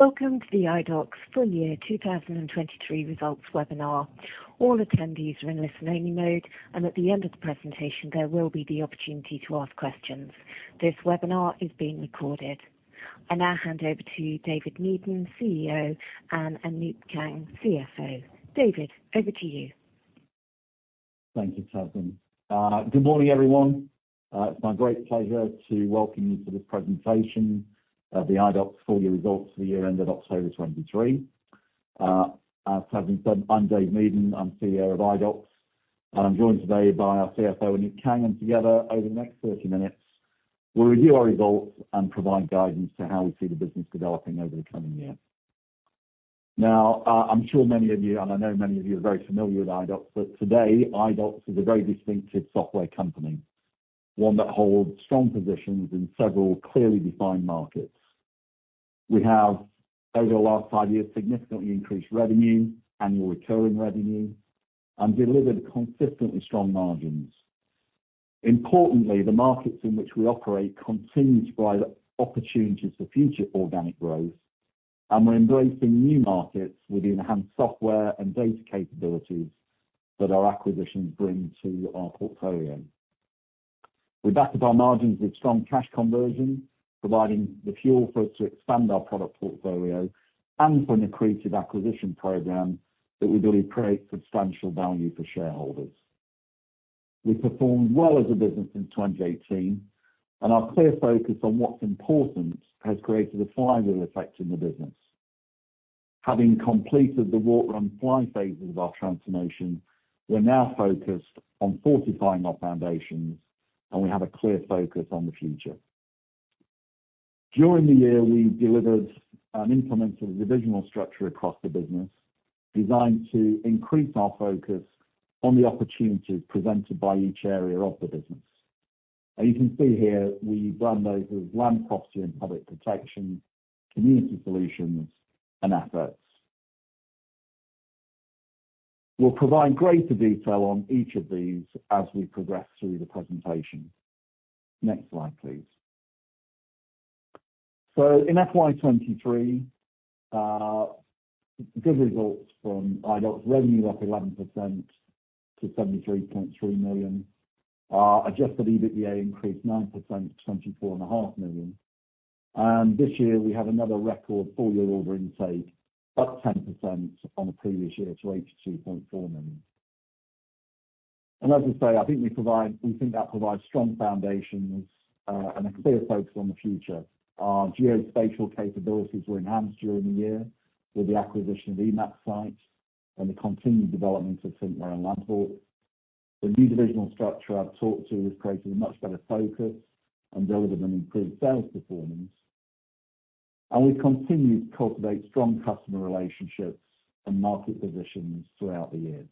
Welcome to the Idox full year 2023 results webinar. All attendees are in listen-only mode, and at the end of the presentation, there will be the opportunity to ask questions. This webinar is being recorded. I now hand over to David Meaden, CEO, and Anoop Kang, CFO. David, over to you. Thank you, Catherine. Good morning, everyone. It's my great pleasure to welcome you to this presentation of the Idox full-year results for the year ended October 2023. As Catherine said, I'm Dave Meaden, I'm CEO of Idox, and I'm joined today by our CFO, Anoop Kang, and together over the next 30 minutes, we'll review our results and provide guidance to how we see the business developing over the coming year. Now, I'm sure many of you, and I know many of you are very familiar with Idox, but today, Idox is a very distinctive software company, one that holds strong positions in several clearly defined markets. We have, over the last five years, significantly increased revenue, annual recurring revenue, and delivered consistently strong margins. Importantly, the markets in which we operate continue to provide opportunities for future organic growth, and we're embracing new markets with enhanced software and data capabilities that our acquisitions bring to our portfolio. We backed up our margins with strong cash conversion, providing the fuel for us to expand our product portfolio and for an accretive acquisition program that will really create substantial value for shareholders. We performed well as a business in 2018, and our clear focus on what's important has created a flywheel effect in the business. Having completed the walk and fly phases of our transformation, we're now focused on fortifying our foundations, and we have a clear focus on the future. During the year, we delivered and implemented a divisional structure across the business, designed to increase our focus on the opportunities presented by each area of the business. And you can see here we run those with Land, Property, and Public Protection, Community Solutions, and Assets. We'll provide greater detail on each of these as we progress through the presentation. Next slide, please. So in FY 2023, good results from Idox. Revenue up 11% to 73.3 million. Adjusted EBITDA increased 9% to 24.5 million. And this year, we have another record full year order intake, up 10% on the previous year to 82.4 million. And as I say, I think we provide—we think that provides strong foundations, and a clear focus on the future. Our geospatial capabilities were enhanced during the year with the acquisition of the Emapsite and the continued development of thinkWhere and LandHawk. The new divisional structure I've talked to has created a much better focus and delivered an improved sales performance, and we continued to cultivate strong customer relationships and market positions throughout the year.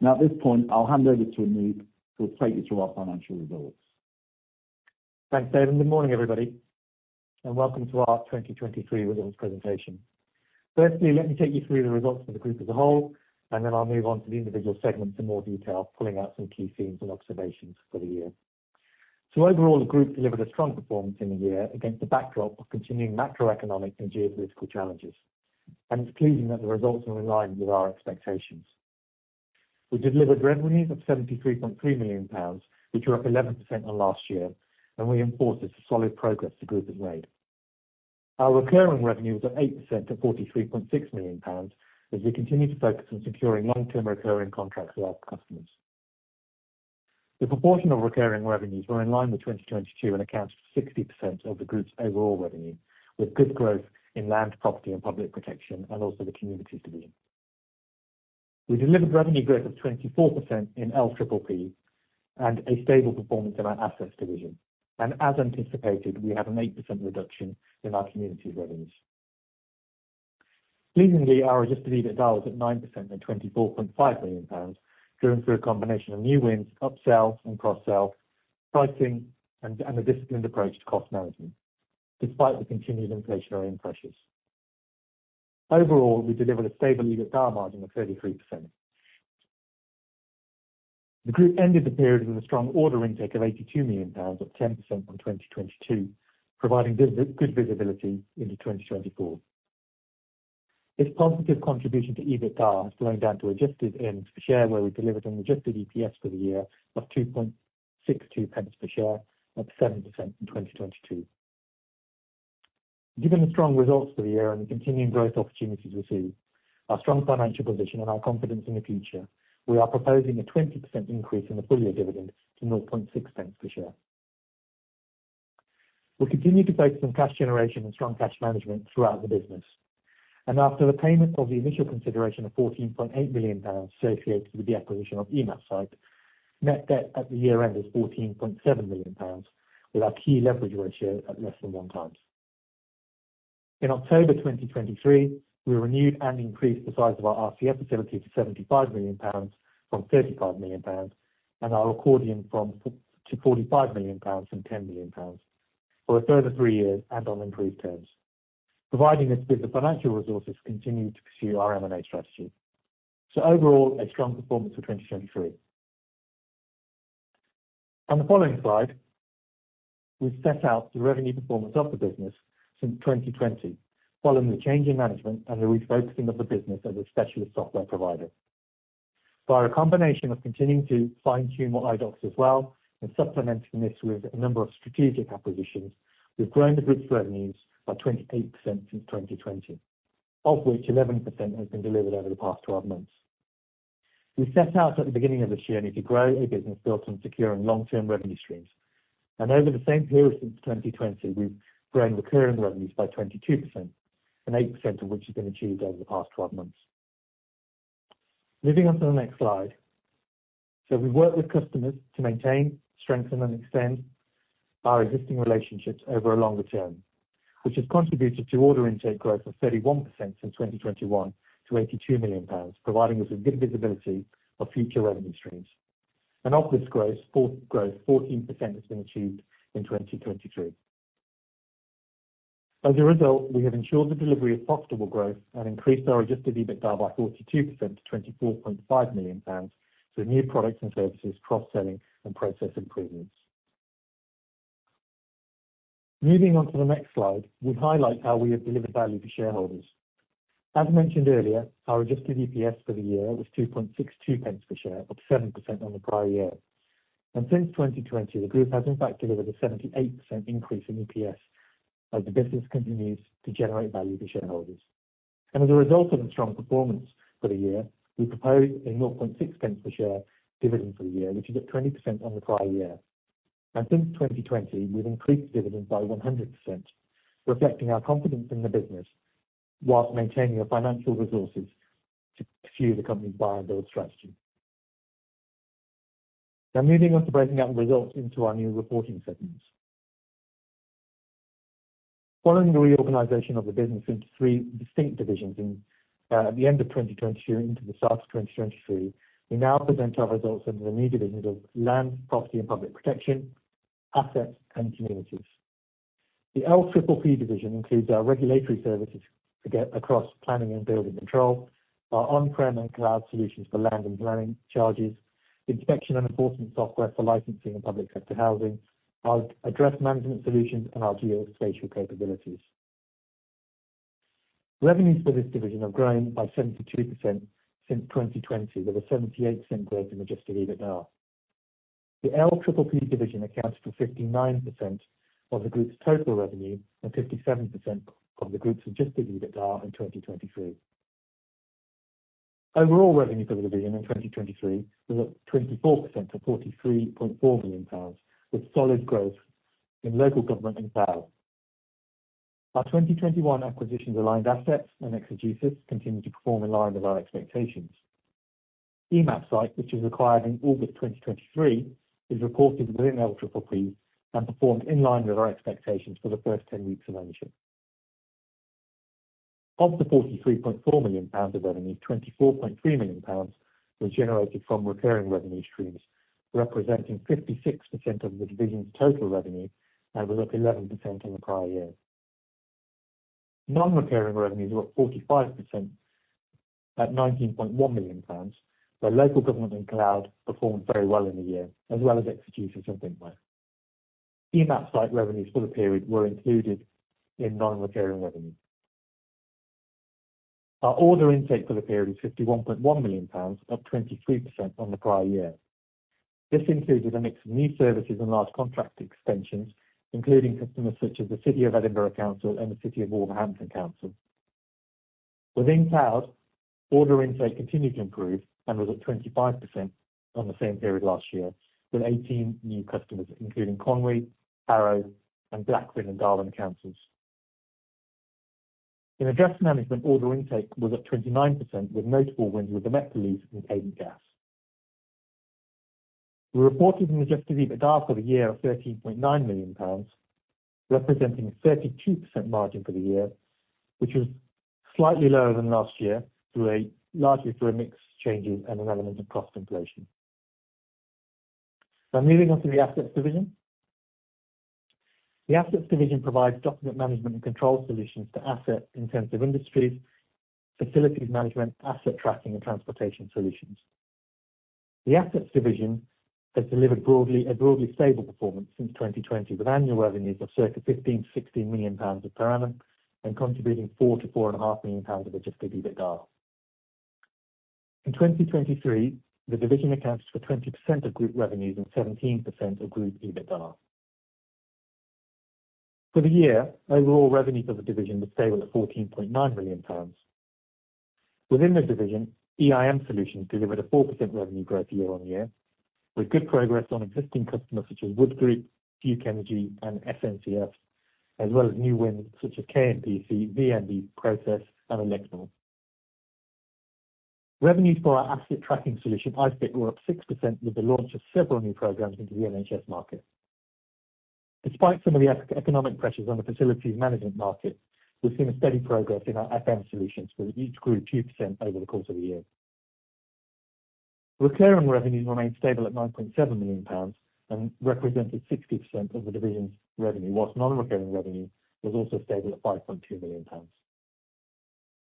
Now, at this point, I'll hand over to Anoop, who will take you through our financial results. Thanks, David. Good morning, everybody, and welcome to our 2023 results presentation. Firstly, let me take you through the results of the group as a whole, and then I'll move on to the individual segments in more detail, pulling out some key themes and observations for the year. Overall, the group delivered a strong performance in the year against the backdrop of continuing macroeconomic and geopolitical challenges, and it's pleasing that the results are in line with our expectations. We delivered revenues of 73.3 million pounds, which were up 11% on last year, and we enforced this solid progress the group has made. Our recurring revenue was up 8% to 43.6 million pounds as we continued to focus on securing long-term recurring contracts with our customers. The proportion of recurring revenues were in line with 2022 and accounts for 60% of the group's overall revenue, with good growth in Land, Property, and Public Protection and also the communities division. We delivered revenue growth of 24% in LPPP and a stable performance in our assets division. As anticipated, we have an 8% reduction in our community revenues. Pleasingly, our adjusted EBITDA was at 9% and 24.5 million pounds, driven through a combination of new wins, upsells and cross-sells, pricing, and a disciplined approach to cost management, despite the continued inflationary pressures. Overall, we delivered a stable EBITDA margin of 33%. The group ended the period with a strong order intake of 82 million pounds, up 10% on 2022, providing very good visibility into 2024. This positive contribution to EBITDA has flowed down to adjusted earnings per share, where we delivered an adjusted EPS for the year of 2.62 pence per share, up 7% in 2022. Given the strong results for the year and the continuing growth opportunities we see, our strong financial position and our confidence in the future, we are proposing a 20% increase in the full year dividend to 0.6 pence per share. We'll continue to focus on cash generation and strong cash management throughout the business. And after the payment of the initial consideration of 14.8 million pounds associated with the acquisition of Emapsite, net debt at the year-end is 14.7 million pounds, with our key leverage ratio at less than 1x. In October 2023, we renewed and increased the size of our RCF facility to 75 million pounds from 35 million pounds and our accordion to 45 million pounds from 10 million pounds for a further three years and on improved terms, providing us with the financial resources to continue to pursue our M&A strategy. So overall, a strong performance for 2023. On the following slide, we've set out the revenue performance of the business since 2020, following the change in management and the refocusing of the business as a specialist software provider. Via a combination of continuing to fine-tune what Idox does well and supplementing this with a number of strategic acquisitions, we've grown the group's revenues by 28% since 2020, of which 11% has been delivered over the past 12 months. We set out at the beginning of this year need to grow a business built on securing long-term revenue streams, and over the same period since 2020, we've grown recurring revenues by 22%, and 8% of which has been achieved over the past 12 months. Moving on to the next slide. So we work with customers to maintain, strengthen, and extend our existing relationships over a longer term, which has contributed to order intake growth of 31% since 2021 to 82 million pounds, providing us with good visibility of future revenue streams. And of this growth, four growth 14% has been achieved in 2023. As a result, we have ensured the delivery of profitable growth and increased our Adjusted EBITDA by 42% to 24.5 million pounds, so new products and services, cross-selling and process improvements. Moving on to the next slide, we highlight how we have delivered value for shareholders. As mentioned earlier, our adjusted EPS for the year was 0.0262 per share, up 7% on the prior year. Since 2020, the group has in fact delivered a 78% increase in EPS as the business continues to generate value for shareholders. As a result of the strong performance for the year, we propose a 0.006 per share dividend for the year, which is up 20% on the prior year. Since 2020, we've increased dividends by 100%, reflecting our confidence in the business while maintaining our financial resources to pursue the company's buy and build strategy. Now moving on to breaking down results into our new reporting segments. Following the reorganization of the business into three distinct divisions in the end of 2022 into the start of 2023, we now present our results under the new divisions of Land, Property and Public Protection, Assets, and Communities. The LPPP division includes our regulatory services to get across planning and building control, our on-prem and cloud solutions for land and planning charges, inspection and enforcement software for licensing and public sector housing, our address management solutions, and our geospatial capabilities. Revenues for this division have grown by 72% since 2020, with a 78% growth in Adjusted EBITDA. The LPPP division accounts for 59% of the group's total revenue and 57% of the group's Adjusted EBITDA in 2023. Overall revenue for the division in 2023 was up 24% to 43.4 million pounds, with solid growth in local government and cloud. Our 2021 acquisitions Aligned Assets and Exegesis continue to perform in line with our expectations. Emapsite, which was acquired in August 2023, is reported within LPPP and performed in line with our expectations for the first 10 weeks of ownership. Of the 43.4 million pounds of revenue, 24.3 million pounds was generated from recurring revenue streams, representing 56% of the division's total revenue, and was up 11% in the prior year. Non-recurring revenues were up 45% at 19.1 million pounds, where local government and cloud performed very well in the year, as well as Exegesis and thinkWhere. Emapsite revenues for the period were included in non-recurring revenue. Our order intake for the period is 51.1 million pounds, up 23% on the prior year. This included a mix of new services and large contract extensions, including customers such as the City of Edinburgh Council and the City of Wolverhampton Council. Within cloud, order intake continued to improve and was up 25% on the same period last year, with 18 new customers, including Conwy, Harrow, and Blackburn with Darwen Councils. In address management, order intake was up 29%, with notable wins with ElectraLink and Cadent Gas. We reported an adjusted EBITDA for the year of 13.9 million pounds, representing a 32% margin for the year, which was slightly lower than last year, due to largely through a mix changes and an element of cost inflation. Now moving on to the assets division. The assets division provides document management and control solutions to asset-intensive industries, facilities management, asset tracking and transportation solutions. The assets division has delivered a broadly stable performance since 2020, with annual revenues of circa 15-16 million pounds per annum and contributing 4 million-4.5 million pounds of Adjusted EBITDA. In 2023, the division accounts for 20% of group revenues and 17% of group EBITDA. For the year, overall revenue for the division was stable at 14.9 million pounds. Within the division, EIM Solutions delivered a 4% revenue growth year-on-year, with good progress on existing customers such as Wood Group, Duke Energy and SNCF, as well as new wins such as KNPC, Venture Global LNG, and Nexcel. Revenues for our asset tracking solution, iFIT, were up 6% with the launch of several new programs into the NHS market. Despite some of the macro-economic pressures on the facilities management market, we've seen a steady progress in our FM solutions, with each grew 2% over the course of the year. Recurring revenues remained stable at 9.7 million pounds and represented 60% of the division's revenue, while non-recurring revenue was also stable at 5.2 million pounds.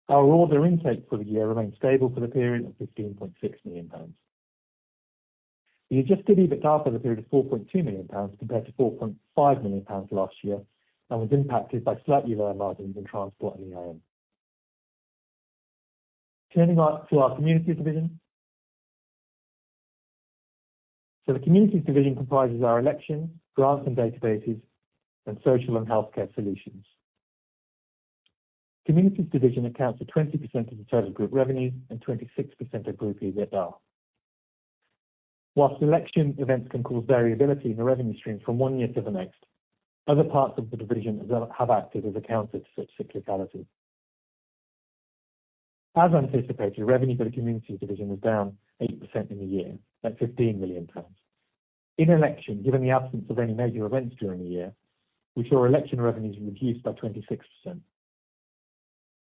Our order intake for the year remained stable for the period of 15.6 million pounds. The Adjusted EBITDA for the period is 4.2 million pounds, compared to 4.5 million pounds last year, and was impacted by slightly lower margins in transport and EIM. Turning to our communities division. So the communities division comprises our elections, grants and databases, and social and healthcare solutions. Communities division accounts for 20% of the total group revenue and 26% of group EBITDA. While election events can cause variability in the revenue stream from one year to the next, other parts of the division have acted as a counter to such cyclicality. As anticipated, revenue for the communities division was down 80% in the year at 15 million pounds. In election, given the absence of any major events during the year, we saw election revenues reduced by 26%.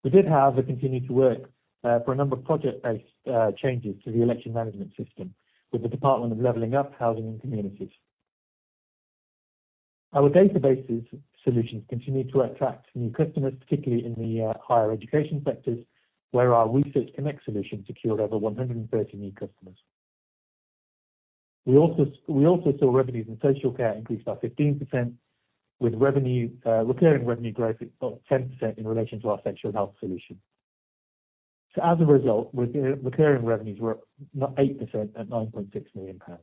We did, however, continue to work for a number of project-based changes to the election management system with the Department for Levelling Up, Housing and Communities. Our databases solutions continue to attract new customers, particularly in the higher education sectors, where our ResearchConnect solution secured over 130 new customers. We also saw revenues in social care increased by 15%, with recurring revenue growth of 10% in relation to our sexual health solution. So as a result, recurring revenues were up 8% at 9.6 million pounds.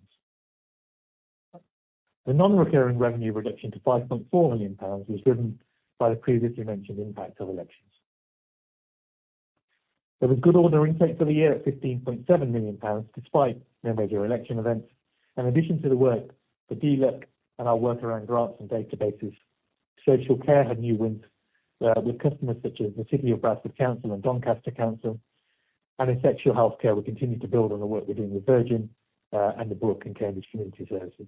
The non-recurring revenue reduction to 5.4 million pounds was driven by the previously mentioned impact of elections. There was good order intake for the year at 15.7 million pounds, despite no major election events. In addition to the work, the DLUHC and our work around grants and databases, social care had new wins with customers such as the City of Bradford Council and Doncaster Council. In sexual health care, we continued to build on the work we're doing with Virgin, and the Brook and Cambridge Community Services.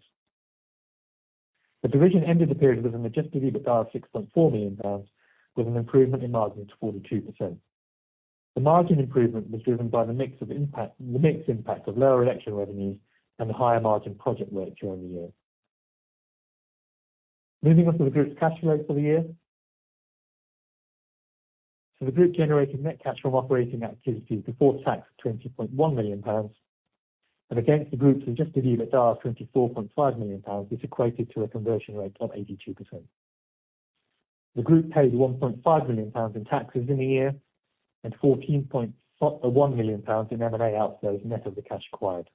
The division ended the period with an Adjusted EBITDA of 6.4 million pounds, with an improvement in margin to 42%. The margin improvement was driven by the mix of impact, the mixed impact of lower election revenues and the higher margin project work during the year. Moving on to the group's cash flow for the year. So the group generated net cash from operating activities before tax of 20.1 million pounds, and against the group's Adjusted EBITDA of 24.5 million pounds, this equated to a conversion rate of 82%. The group paid 1.5 million pounds in taxes in the year and 14.1 million pounds in M&A outlays, net of the cash acquired.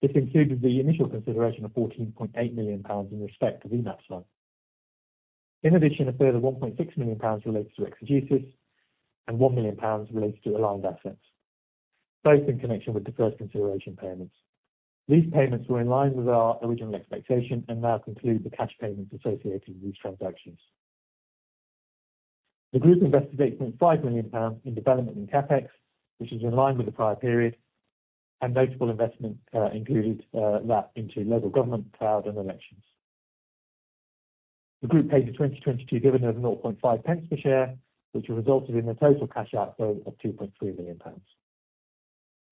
This included the initial consideration of 14.8 million pounds in respect of the Emapsite. In addition, a further 1.6 million pounds relates to Exegesis SDM, and 1 million pounds relates to Aligned Assets, both in connection with the first consideration payments. These payments were in line with our original expectation and now conclude the cash payments associated with these transactions. The group invested 8.5 million pounds in development in CapEx, which is in line with the prior period, and notable investment included that into local government, cloud, and elections. The group paid a 2022 dividend of 0.5 pence per share, which resulted in a total cash outflow of 2.3 million pounds.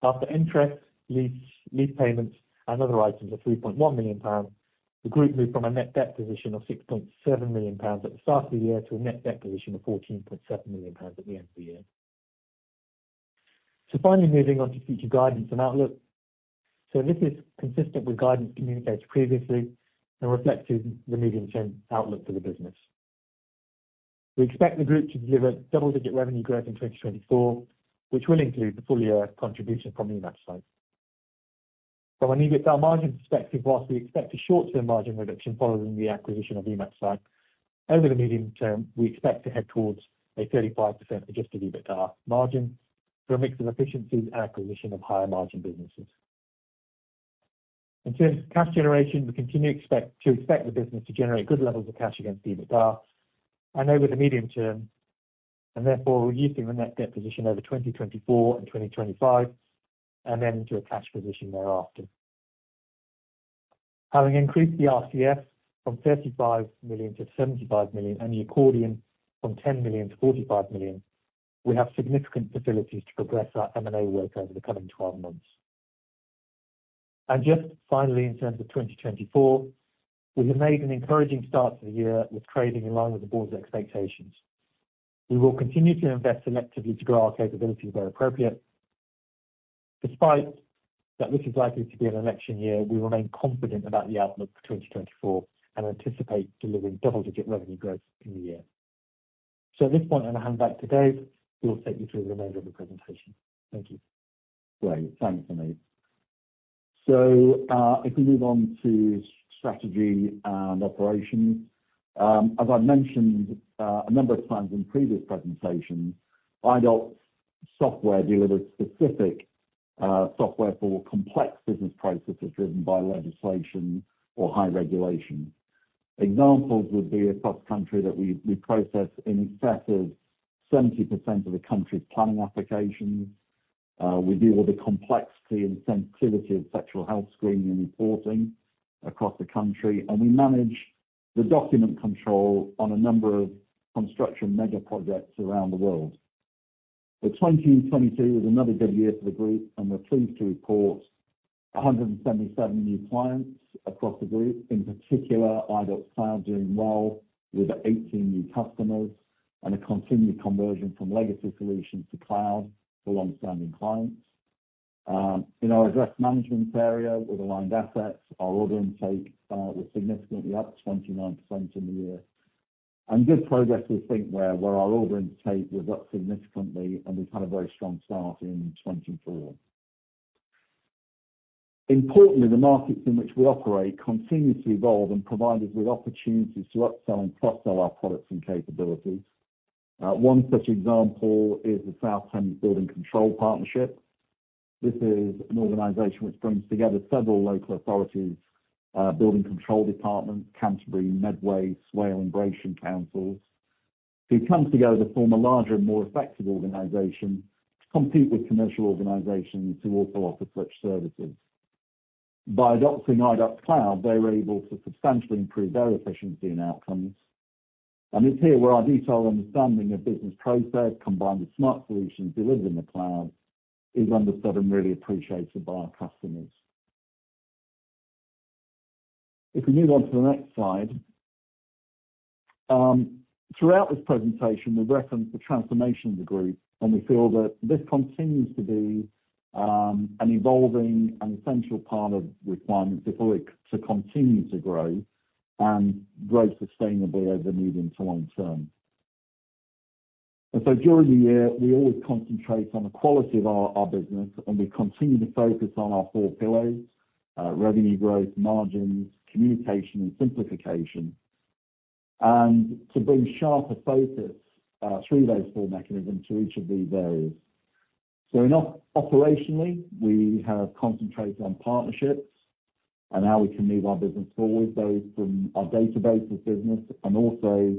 After interest, lease, lease payments and other items of 3.1 million pounds, the group moved from a net debt position of 6.7 million pounds at the start of the year to a net debt position of 14.7 million pounds at the end of the year. So finally, moving on to future guidance and outlook. So this is consistent with guidance communicated previously and reflected the medium-term outlook for the business. We expect the group to deliver double-digit revenue growth in 2024, which will include the full year contribution from the Emapsite. From an EBITDA margin perspective, while we expect a short-term margin reduction following the acquisition of the Emapsite, over the medium term, we expect to head towards a 35% adjusted EBITDA margin for a mix of efficiencies and acquisition of higher margin businesses. In terms of cash generation, we continue to expect the business to generate good levels of cash against EBITDA, and over the medium term, and therefore reducing the net debt position over 2024 and 2025, and then to a cash position thereafter. Having increased the RCF from 35 million to 75 million, and the accordion from 10 million to 45 million, we have significant facilities to progress our M&A work over the coming 12 months. Just finally, in terms of 2024, we have made an encouraging start to the year, with trading in line with the board's expectations. We will continue to invest selectively to grow our capabilities where appropriate. Despite that, this is likely to be an election year. We remain confident about the outlook for 2024 and anticipate delivering double-digit revenue growth in the year. At this point, I'm going to hand back to Dave, who will take you through the remainder of the presentation. Thank you. Great. Thanks, Anoop. So, if we move on to strategy and operations. As I've mentioned a number of times in previous presentations, Idox Software delivers specific software for complex business processes driven by legislation or high regulation. Examples would be across the country that we process in excess of 70% of the country's planning applications. We deal with the complexity and sensitivity of sexual health screening and reporting across the country, and we manage the document control on a number of construction mega projects around the world. So 2022 was another good year for the group, and we're pleased to report 177 new clients across the group. In particular, Idox Cloud doing well with 18 new customers and a continued conversion from legacy solutions to cloud for long-standing clients. In our address management area with Aligned Assets, our order intake was significantly up 29% in the year. Good progress with thinkWhere, where our order intake was up significantly, and we've had a very strong start in 2024. Importantly, the markets in which we operate continue to evolve and provide us with opportunities to upsell and cross-sell our products and capabilities. One such example is the South Kent Building Control Partnership. This is an organization which brings together several local authorities, building control departments, Canterbury, Medway, Swale, and Gravesham Councils, who come together to form a larger and more effective organization, to compete with commercial organizations who also offer such services. By adopting Idox Cloud, they were able to substantially improve their efficiency and outcomes. It's here where our detailed understanding of business process, combined with smart solutions delivered in the cloud, is understood and really appreciated by our customers. If we move on to the next slide. Throughout this presentation, we've referenced the transformation of the group, and we feel that this continues to be, an evolving and essential part of requirements if we're to continue to grow, and grow sustainably over the medium to long term. So during the year, we always concentrate on the quality of our, our business, and we continue to focus on our four pillars, revenue growth, margins, communication, and simplification. To bring sharper focus, through those four mechanisms to each of these areas. So enough operationally, we have concentrated on partnerships and how we can move our business forward, both from our databases business and also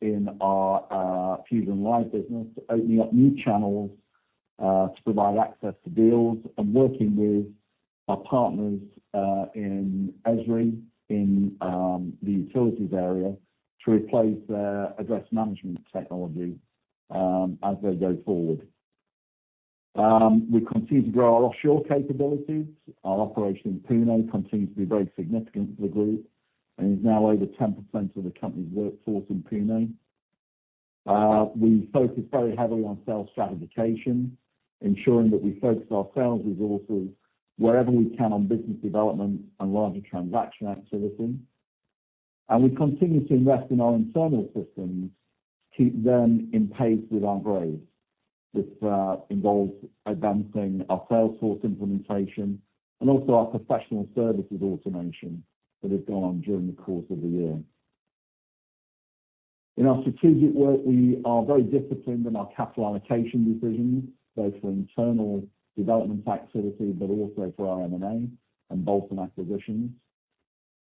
in our FusionLive business, opening up new channels to provide access to deals and working with our partners in Esri in the utilities area to replace their address management technology as they go forward. We continue to grow our offshore capabilities. Our operation in Pune continues to be very significant to the group and is now over 10% of the company's workforce in Pune. We focus very heavily on sales stratification, ensuring that we focus our sales resources wherever we can on business development and larger transaction activities. And we continue to invest in our internal systems to keep them in pace with our growth. This involves advancing our Salesforce implementation and also our professional services automation that has gone on during the course of the year. In our strategic work, we are very disciplined in our capital allocation decisions, both for internal development activity, but also for our M&A and bolt-on acquisitions.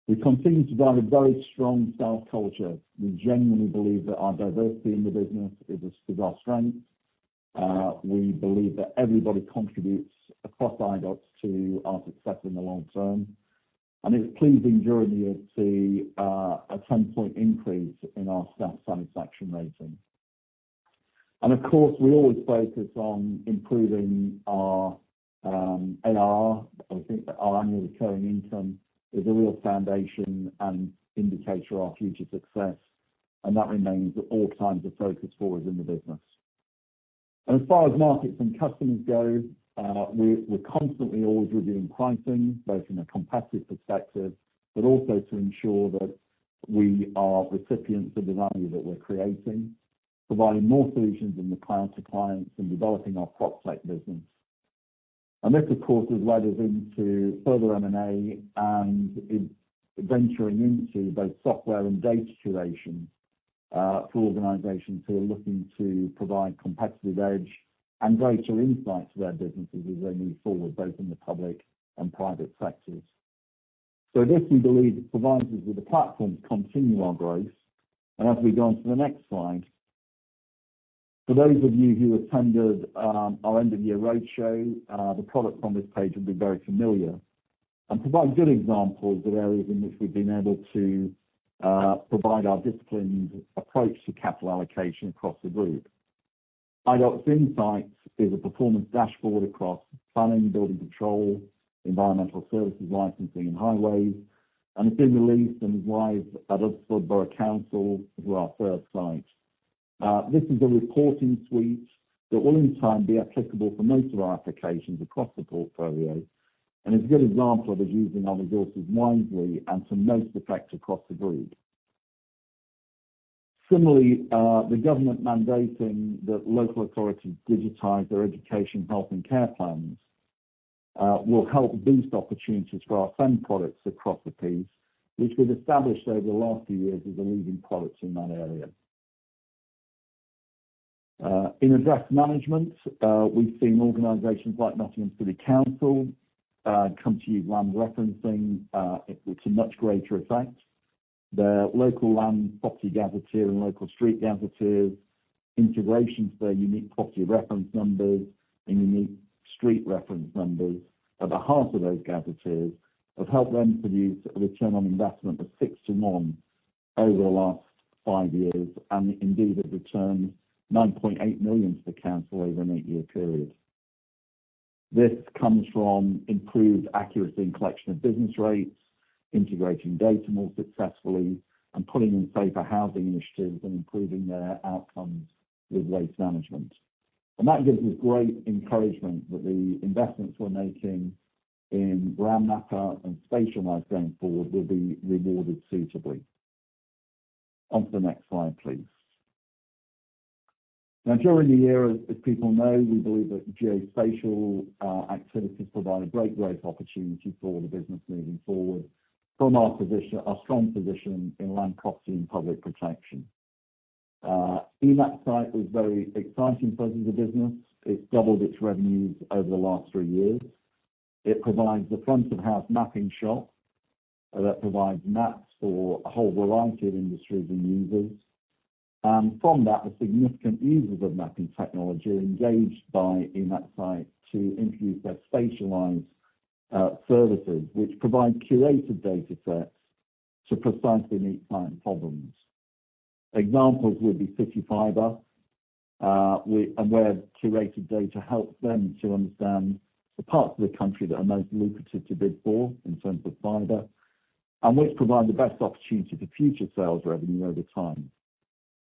We continue to drive a very strong sales culture. We genuinely believe that our diversity in the business is our strength. We believe that everybody contributes across Idox to our success in the long term, and it's pleasing during the year to see a 10-point increase in our staff satisfaction ratings. And of course, we always focus on improving our AR. I think that our annual recurring income is a real foundation and indicator of our future success, and that remains at all times a focus for us in the business. As far as markets and customers go, we're constantly always reviewing pricing, both in a competitive perspective, but also to ensure that we are recipients of the value that we're creating, providing more solutions in the cloud to clients, and developing our product site business. And this, of course, has led us into further M&A, and in venturing into both software and data solutions, for organizations who are looking to provide competitive edge and greater insight to their businesses as they move forward, both in the public and private sectors. So this, we believe, provides us with a platform to continue our growth. And as we go on to the next slide, for those of you who attended, our end-of-year roadshow, the product on this page will be very familiar. Provide good examples of areas in which we've been able to provide our disciplined approach to capital allocation across the group. Idox Insights is a performance dashboard across planning, building control, environmental services, licensing, and highways, and it's been released and live at Oxford City Council, who are our third site. This is a reporting suite that will in time be applicable for most of our applications across the portfolio, and it's a good example of us using our resources wisely and to most effect across the group. Similarly, the government mandating that local authorities digitize their education, health, and care plans will help boost opportunities for our SEND products across the piece, which we've established over the last few years as a leading product in that area. In address management, we've seen organizations like Nottingham City Council continue land referencing it to much greater effect. Their Local Land and Property Gazetteer and Local Street Gazetteer integrations, their Unique Property Reference Numbers and Unique Street Reference Numbers at the heart of those gazetteers, have helped them produce a return on investment of six-to-one over the last five years, and indeed, it returned 9.8 million to the council over an eight-year period. This comes from improved accuracy in collection of business rates, integrating data more successfully, and putting in safer housing initiatives and improving their outcomes with waste management. And that gives us great encouragement that the investments we're making in ground mapping and spatialized going forward will be rewarded suitably. On to the next slide, please. Now, during the year, as people know, we believe that geospatial activities provide a great growth opportunity for the business moving forward from our position—our strong position in land property and public protection. Emapsite is very exciting part of the business. It's doubled its revenues over the last three years. It provides the front-of-house mapping shop that provides maps for a whole variety of industries and users. And from that, the significant users of mapping technology are engaged by Emapsite to introduce their spatialized services, which provide curated data sets to precisely meet client problems. Examples would be CityFibre, and where curated data helps them to understand the parts of the country that are most lucrative to bid for in terms of fiber, and which provide the best opportunity for future sales revenue over time.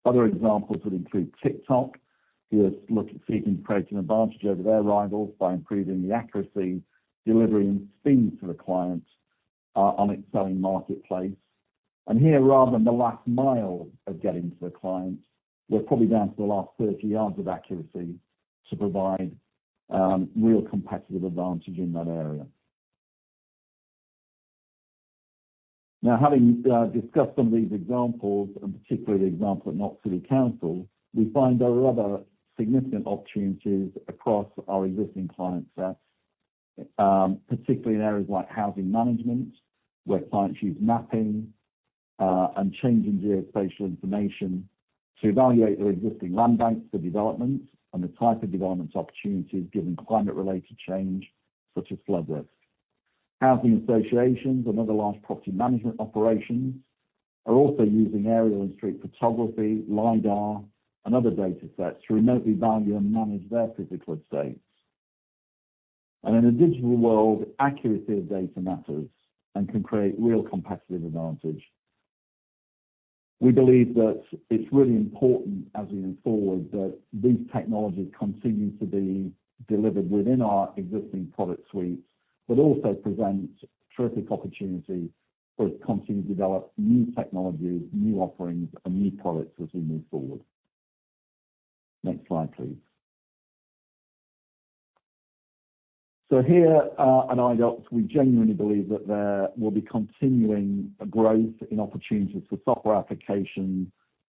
Other examples would include TikTok, who are seeking to create an advantage over their rivals by improving the accuracy, delivery, and speed to the client on its selling marketplace. Here, rather than the last mile of getting to the client, we're probably down to the last 30 yards of accuracy to provide real competitive advantage in that area. Now, having discussed some of these examples, and particularly the example at Oxford City Council, we find there are other significant opportunities across our existing client set, particularly in areas like housing management, where clients use mapping and changing geospatial information to evaluate their existing land banks for development and the type of development opportunities, given climate-related change, such as flood risk. Housing associations and other large property management operations are also using aerial and street photography, LiDAR, and other data sets to remotely value and manage their physical estates. In a digital world, accuracy of data matters and can create real competitive advantage. We believe that it's really important, as we move forward, that these technologies continue to be delivered within our existing product suite, but also present terrific opportunity for us to continue to develop new technologies, new offerings, and new products as we move forward. Next slide, please. Here, at Idox, we genuinely believe that there will be continuing growth in opportunities for software applications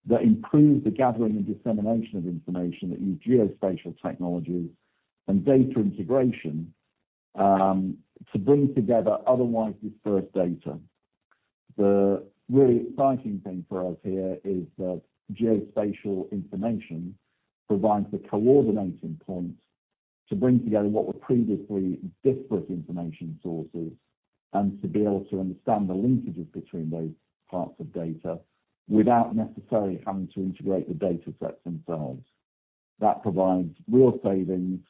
that improve the gathering and dissemination of information, that use geospatial technologies and data integration, to bring together otherwise dispersed data. The really exciting thing for us here is that geospatial information provides the coordinating point to bring together what were previously disparate information sources, and to be able to understand the linkages between those parts of data, without necessarily having to integrate the data sets themselves. That provides real savings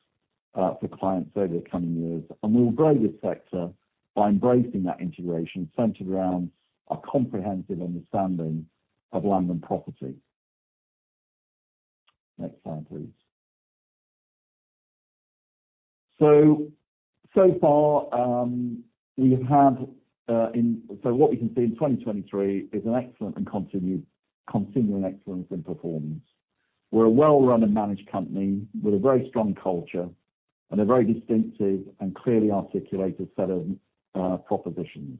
for clients over the coming years, and will grow this sector by embracing that integration centered around a comprehensive understanding of land and property. Next slide, please. So far, so what we can see in 2023 is an excellent and continuing excellence in performance. We're a well-run and managed company with a very strong culture and a very distinctive and clearly articulated set of propositions.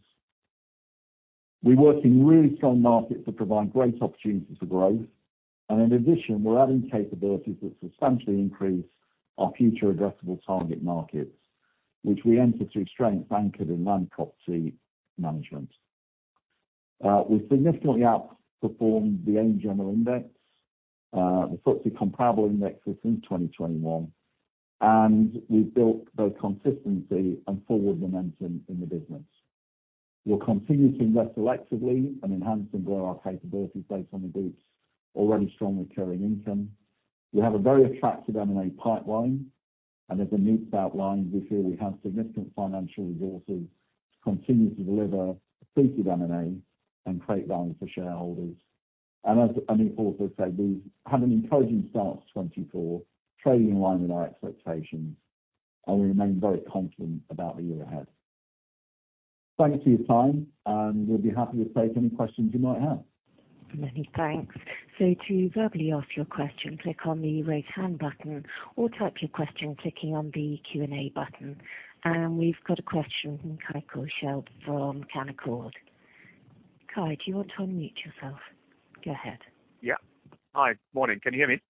We work in really strong markets that provide great opportunities for growth, and in addition, we're adding capabilities that substantially increase our future addressable target markets, which we enter through strength anchored in land property management. We significantly outperformed the AIM general index, the FTSE comparable index since 2021, and we've built both consistency and forward momentum in the business. We'll continue to invest selectively and enhance and grow our capability based on the group's already strong recurring income. We have a very attractive M&A pipeline, and as Anoop outlined, we feel we have significant financial resources to continue to deliver accretive M&A and create value for shareholders. And as Anoop also said, we've had an encouraging start to 2024, trading in line with our expectations, and we remain very confident about the year ahead. Thank you for your time, and we'll be happy to take any questions you might have. Many thanks. So to verbally ask your question, click on the Raise Hand button or type your question clicking on the Q&A button. And we've got a question from Kai Korschelt from Canaccord. Kai, do you want to unmute yourself? Go ahead. Yeah. Hi. Morning. Can you hear me?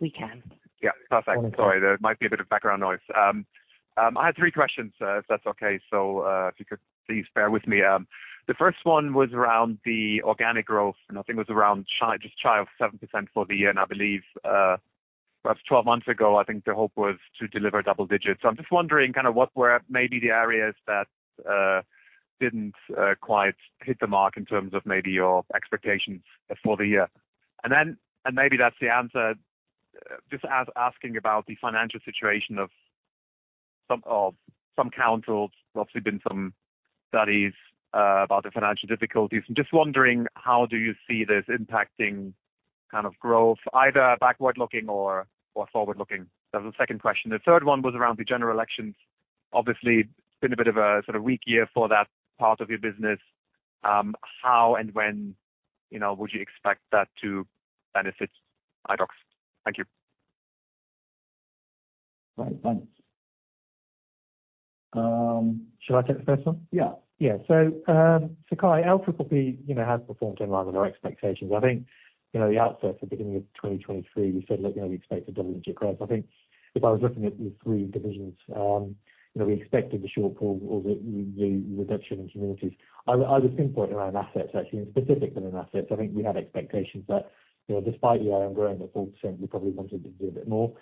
We can. Yeah, perfect. Okay. Sorry, there might be a bit of background noise. I had three questions, if that's okay. So, if you could please bear with me. The first one was around the organic growth, and I think it was around like just 7% for the year, and I believe, perhaps 12 months ago, I think the hope was to deliver double digits. So I'm just wondering kind of what were maybe the areas that didn't quite hit the mark in terms of maybe your expectations for the year? And then, maybe that's the answer, just asking about the financial situation of some councils. There's obviously been some studies about the financial difficulties. I'm just wondering, how do you see this impacting kind of growth, either backward-looking or forward-looking? That's the second question. The third one was around the general elections. Obviously, it's been a bit of a sort of weak year for that part of your business. How and when, you know, would you expect that to benefit Idox? Thank you. Right, thanks. Should I take the first one? Yeah. Yeah. So, Idox plc, you know, has performed in line with our expectations. I think, you know, the outset at the beginning of 2023, we said, look, you know, we expect a double-digit growth. I think if I was looking at the three divisions, you know, we expected the shortfall or the reduction in communities. I would pinpoint it around assets, actually, and specifically within assets. I think we had expectations that, you know, despite the IM growing at 4%, we probably wanted to do a bit more.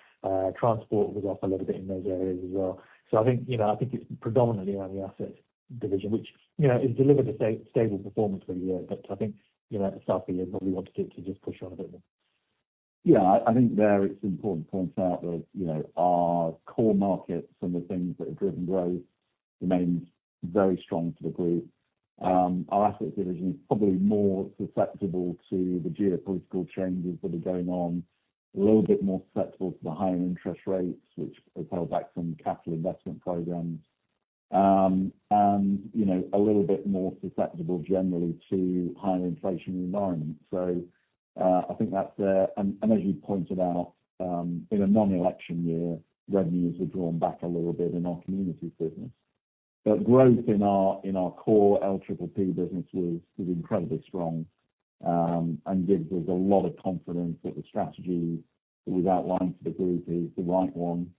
Transport was up a little bit in those areas as well. So I think, you know, I think it's predominantly around the assets division, which, you know, has delivered a stable performance for the year. But I think, you know, at the start of the year, probably wanted it to just push on a bit more. Yeah, I think there it's important to point out that, you know, our core markets and the things that have driven growth remains very strong for the group. Our assets division is probably more susceptible to the geopolitical changes that are going on, a little bit more susceptible to the higher interest rates, which have held back some capital investment programs, and, you know, a little bit more susceptible generally to higher inflation environments. So, I think that's there. And, as you pointed out, in a non-election year, revenues were drawn back a little bit in our communities business. But growth in our core LPP business was incredibly strong, and gives us a lot of confidence that the strategy that we've outlined for the group is the right one,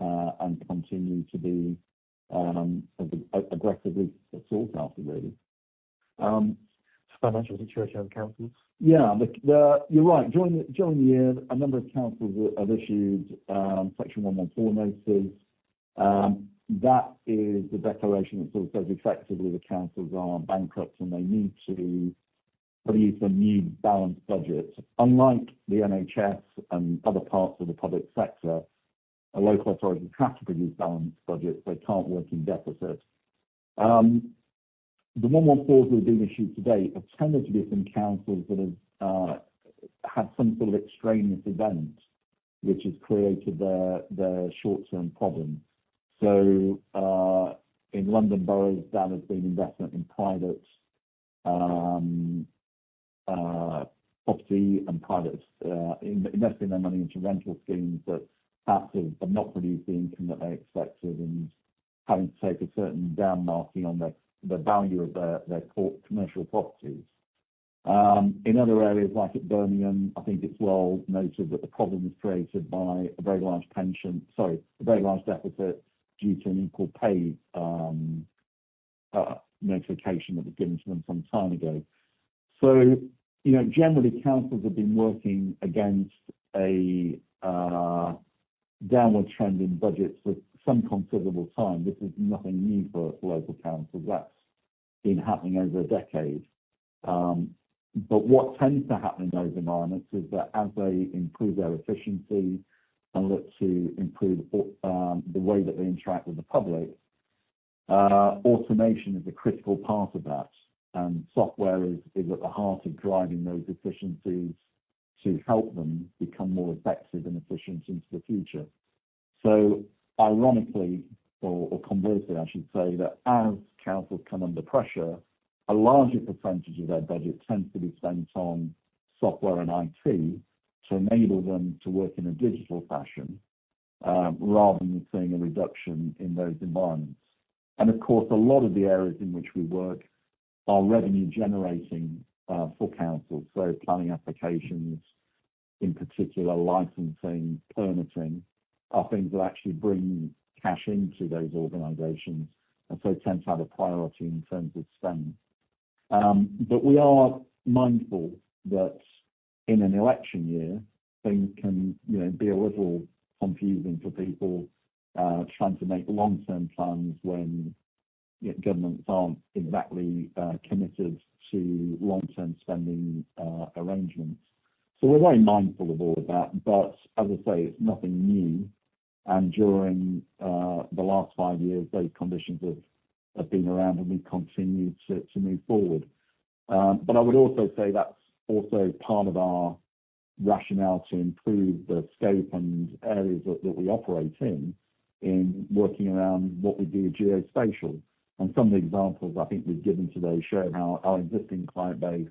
and continue to be aggressively sought after, really. Financial situation of the councils? Yeah, you're right. During the year, a number of councils have issued Section 114 notices. That is the declaration that sort of says effectively the councils are bankrupt, and they need to produce a new balanced budget. Unlike the NHS and other parts of the public sector, a local authority has to produce balanced budgets. They can't work in deficit. The 114s that have been issued to date have tended to be from councils that have had some sort of extraneous event, which has created the short-term problem. So, in London Borough, that has been investment in private property and private investing their money into rental schemes that haven't and not produced the income that they expected and having to take a certain down marking on the value of their commercial properties. In other areas, like at Birmingham, I think it's well noted that the problem was created by a very large pension, sorry, a very large deficit due to an equal pay notification that was given to them some time ago. So, you know, generally, councils have been working against a downward trend in budgets for some considerable time. This is nothing new for local councils. That's been happening over a decade. But what tends to happen in those environments is that as they improve their efficiency and look to improve the way that they interact with the public, automation is a critical part of that, and software is at the heart of driving those efficiencies to help them become more effective and efficient into the future. So ironically, or conversely, I should say, that as councils come under pressure, a larger percentage of their budget tends to be spent on software and IT to enable them to work in a digital fashion rather than seeing a reduction in those environments. And of course, a lot of the areas in which we work are revenue generating for councils. So planning applications, in particular, licensing, permitting, are things that actually bring cash into those organizations, and so tends to have a priority in terms of spend. But we are mindful that in an election year, things can, you know, be a little confusing for people trying to make long-term plans when governments aren't exactly committed to long-term spending arrangements. So we're very mindful of all of that, but as I say, it's nothing new, and during the last five years, those conditions have been around, and we continued to move forward. But I would also say that's also part of our rationale to improve the scope and areas that we operate in, in working around what we do with geospatial. And some of the examples I think we've given today show how our existing client base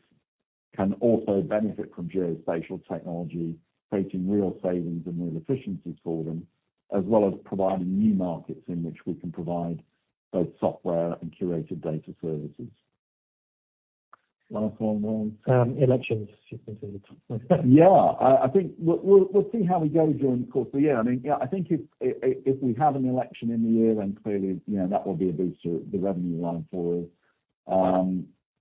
can also benefit from geospatial technology, creating real savings and real efficiencies for them, as well as providing new markets in which we can provide both software and curated data services. Last one? Elections, you can say. Yeah, I think we'll see how we go during the course of the year. I mean, yeah, I think if we have an election in the year, then clearly, you know, that will be a boost to the revenue going forward.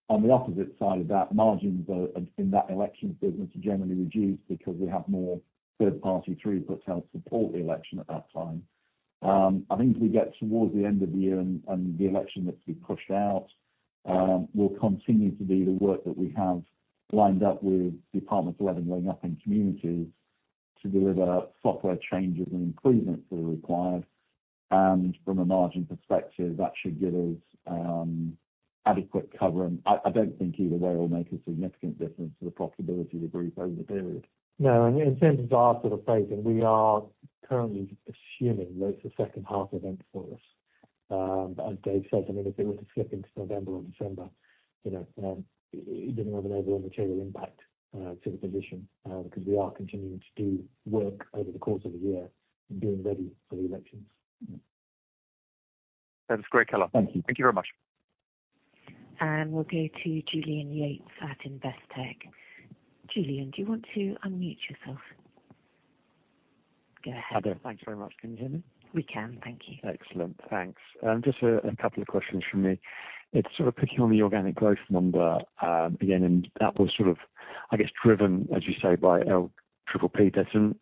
On the opposite side of that, margins in that election business are generally reduced because we have more third party throughputs help support the election at that time. I think as we get towards the end of the year and the election that's been pushed out, will continue to be the work that we have lined up with Department for Levelling Up, Housing and Communities to deliver software changes and improvements that are required. And from a margin perspective, that should give us adequate coverage. I don't think either way will make a significant difference to the profitability of the group over the period. No, and in terms of our sort of phasing, we are currently assuming that it's a second half event for us. But as Dave says, I mean, if it were to slip into November or December, you know, it doesn't have an overall material impact to the position, because we are continuing to do work over the course of the year in being ready for the elections. That's great, color. Thank you. Thank you very much. We'll go to Julian Yates at Investec. Julian, do you want to unmute yourself? Go ahead. I do. Thanks very much. Can you hear me? We can. Thank you. Excellent. Thanks. Just a couple of questions from me. It's sort of picking on the organic growth number, again, and that was sort of, I guess, driven, as you say, by LPPP. That's a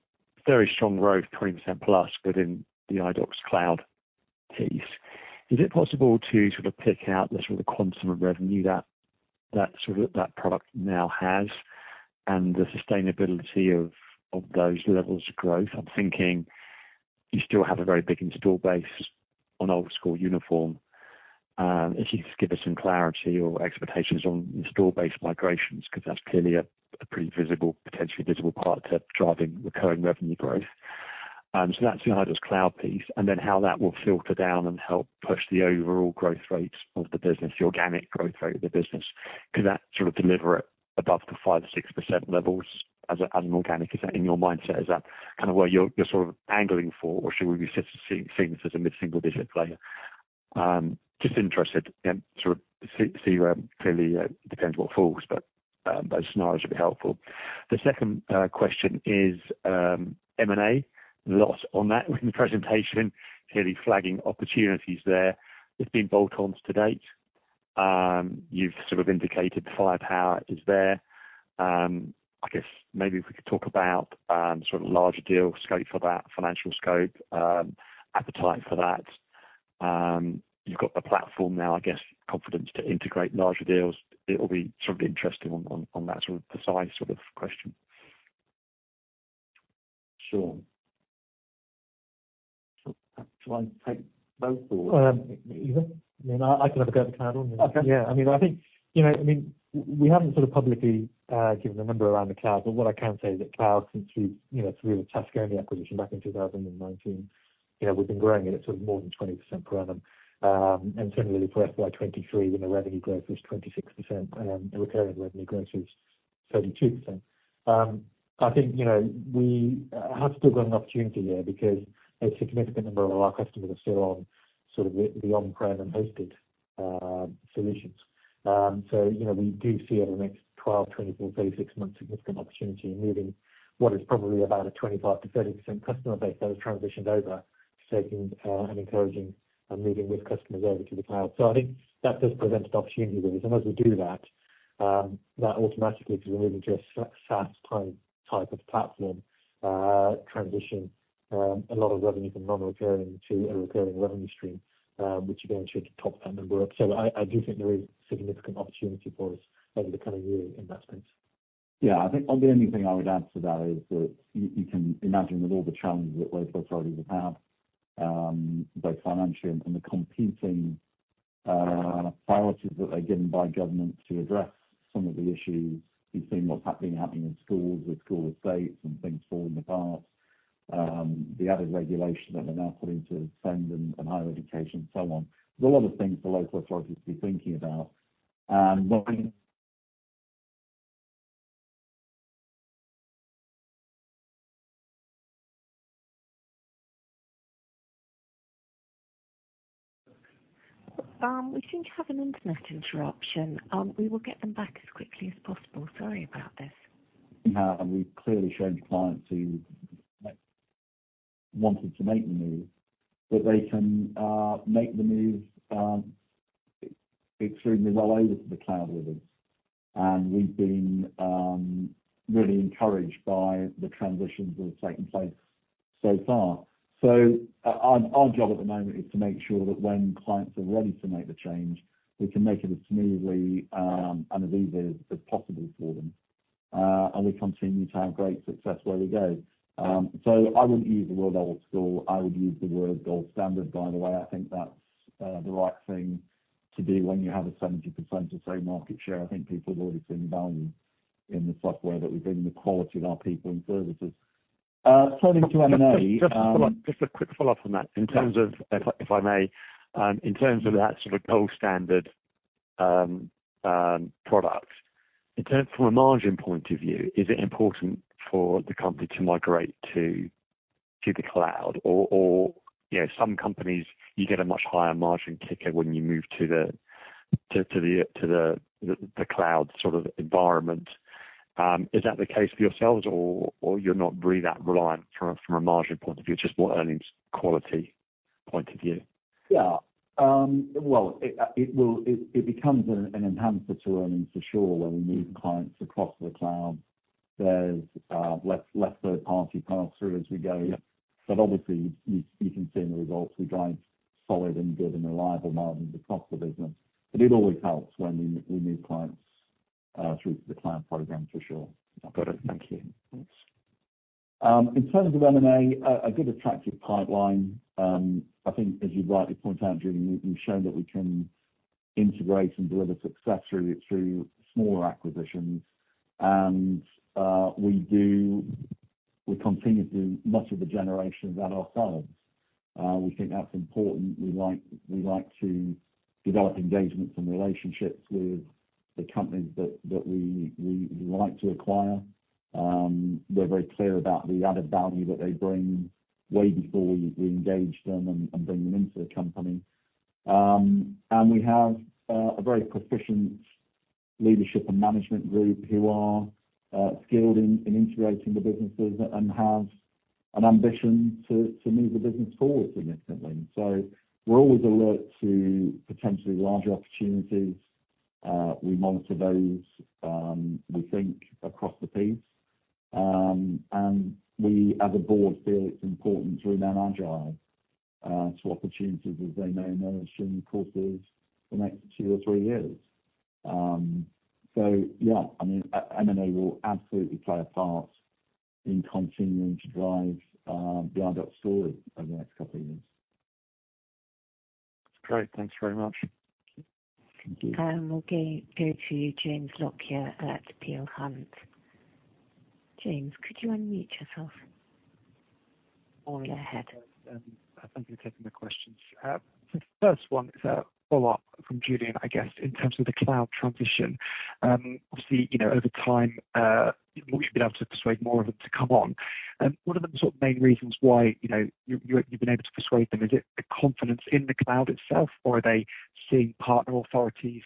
very strong growth, 20%+ within the Idox Cloud piece. Is it possible to sort of pick out the sort of quantum of revenue that, that sort of, that product now has, and the sustainability of, of those levels of growth? I'm thinking you still have a very big install base on old school uniform. If you could just give us some clarity or expectations on install base migrations, because that's clearly a pretty visible, potentially visible part to driving recurring revenue growth. So that's the Idox Cloud piece, and then how that will filter down and help push the overall growth rates of the business, the organic growth rate of the business. Could that sort of deliver it above the 5%-6% levels as an organic? Is that in your mindset, is that kind of where you're sort of angling for, or should we be seeing this as a mid-single digit player? Just interested and sort of see where clearly it depends what falls, but those scenarios would be helpful. The second question is M&A. Lot on that in the presentation, clearly flagging opportunities there. It's been bolt-ons to date. You've sort of indicated the firepower is there. I guess maybe if we could talk about sort of larger deal scope for that, financial scope, appetite for that. You've got the platform now, I guess, confidence to integrate larger deals. It will be sort of interesting on that sort of precise sort of question. Sure. Shall I take both or? Either. I mean, I can have a go at the cloud one. Okay. Yeah, I mean, I think, you know, I mean, we haven't sort of publicly given a number around the cloud, but what I can say is that cloud, since we, you know, through the Tascomi acquisition back in 2019, you know, we've been growing it at sort of more than 20% per annum. And similarly for FY 2023, when the revenue growth was 26%, the recurring revenue growth was 32%. I think, you know, we have still got an opportunity there because a significant number of our customers are still on sort of the, the on-prem and hosted solutions. So, you know, we do see over the next 12, 24, 36 months, significant opportunity in moving what is probably about a 25%-30% customer base that has transitioned over to taking, and encouraging and moving with customers over to the cloud. So I think that does present an opportunity with us. And as we do that, that automatically, because we're moving to a SaaS type, type of platform, transition, a lot of revenue from non-recurring to a recurring revenue stream, which again should top end the work. So I, I do think there is significant opportunity for us over the coming year in that space. Yeah, I think the only thing I would add to that is that you can imagine with all the challenges that local authorities have, both financially and the competing priorities that are given by government to address some of the issues. We've seen what's happening in schools, with school estates and things falling apart. The other regulation that they're now putting to SEND and higher education and so on. There's a lot of things for local authorities to be thinking about. We seem to have an internet interruption. We will get them back as quickly as possible. Sorry about this. Now, we've clearly shown clients who wanted to make the move, that they can make the move extremely well over to the cloud with us. And we've been really encouraged by the transitions that have taken place so far. So our job at the moment is to make sure that when clients are ready to make the change, we can make it as smoothly and as easy as possible for them. And we continue to have great success where we go. So I wouldn't use the word old school. I would use the word gold standard, by the way. I think that's the right thing to do when you have a 70% or so market share. I think people have already seen value in the software that we bring, the quality of our people and services. Turning to M&A. Just, just a follow-up. Just a quick follow-up on that. Yeah. In terms of, if I may, in terms of that sort of gold standard product, in terms from a margin point of view, is it important for the company to migrate to the cloud? Or, you know, some companies, you get a much higher margin kicker when you move to the cloud sort of environment is that the case for yourselves, or you're not really that reliant from a margin point of view, just more earnings quality point of view? Yeah. Well, it will, it becomes an enhancer to earnings for sure when we move clients across the cloud. There's less third party pass-through as we go. Yeah. But obviously, you can see in the results, we drive solid and good and reliable margins across the business, but it always helps when we move clients through the cloud program for sure. Got it. Thank you. Thanks. In terms of M&A, a good attractive pipeline. I think as you rightly point out, Julian, we've shown that we can integrate and deliver success through smaller acquisitions. And we continue to do much of the generation within ourselves. We think that's important. We like, we like to develop engagements and relationships with the companies that we like to acquire. We're very clear about the added value that they bring way before we engage them and bring them into the company. And we have a very proficient leadership and management group who are skilled in integrating the businesses and have an ambition to move the business forward significantly. So we're always alert to potentially larger opportunities. We monitor those, we think, across the piece. We, as a board, feel it's important to remain agile to opportunities as they may emerge during the course of the next two or three years. So, yeah, I mean, M&A will absolutely play a part in continuing to drive the Idox story over the next couple of years. Great. Thanks very much. Thank you. We'll go to you, James Lockyer at Peel Hunt. James, could you unmute yourself? Go ahead. Thank you for taking the questions. The first one is a follow-up from Julian, I guess, in terms of the cloud transition. Obviously, you know, over time, you've been able to persuade more of them to come on. What are the sort of main reasons why, you know, you, you've been able to persuade them? Is it the confidence in the cloud itself, or are they seeing partner authorities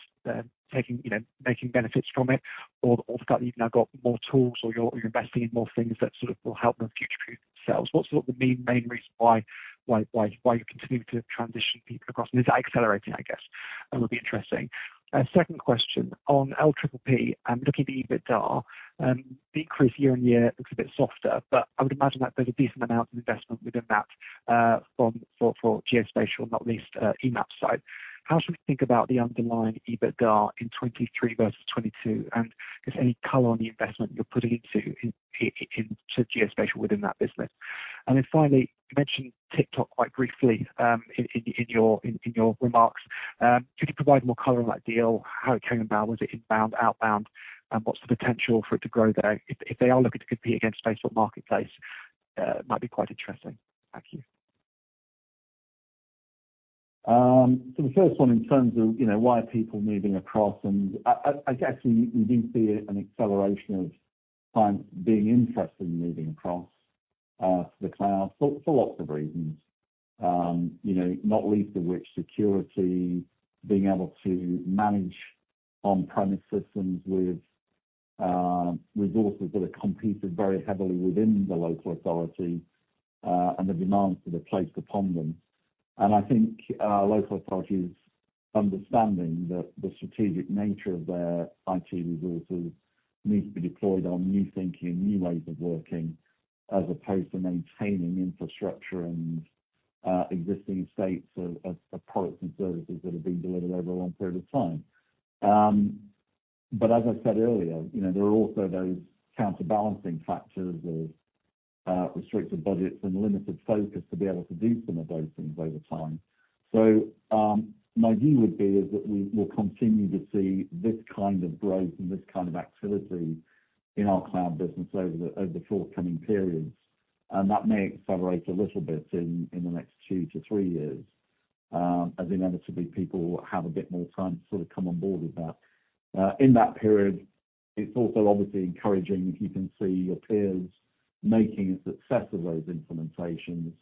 taking, you know, making benefits from it? Or the fact that you've now got more tools or you're investing in more things that sort of will help them contribute themselves. What's sort of the main reason why you're continuing to transition people across? And is that accelerating, I guess, that would be interesting. Second question, on LPPP, looking at the EBITDA, the increase year on year looks a bit softer, but I would imagine that there's a decent amount of investment within that, from for geospatial, not least, Emapsite. How should we think about the underlying EBITDA in 2023 versus 2022, and if any color on the investment you're putting into to geospatial within that business? And then finally, you mentioned TikTok quite briefly, in your remarks. Could you provide more color on that deal, how it came about? Was it inbound, outbound, and what's the potential for it to grow there? If they are looking to compete against Facebook Marketplace, it might be quite interesting. Thank you. So the first one in terms of, you know, why are people moving across? And I guess we did see an acceleration of clients being interested in moving across to the cloud for lots of reasons. You know, not least of which, security, being able to manage on-premise systems with resources that are competed very heavily within the local authority and the demands that are placed upon them. And I think local authorities understanding that the strategic nature of their IT resources need to be deployed on new thinking and new ways of working, as opposed to maintaining infrastructure and existing states of products and services that have been delivered over a long period of time. But as I said earlier, you know, there are also those counterbalancing factors of, restricted budgets and limited focus to be able to do some of those things over time. So, my view would be is that we will continue to see this kind of growth and this kind of activity in our cloud business over the forthcoming periods, and that may accelerate a little bit in the next two to three years, as inevitably people will have a bit more time to sort of come on board with that. In that period, it's also obviously encouraging, you can see your peers making a success of those implementations